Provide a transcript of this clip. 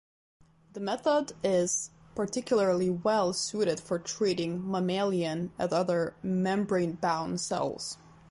The method is particularly well suited for treating mammalian and other membrane-bound cells.